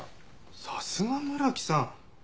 さすが村木さん。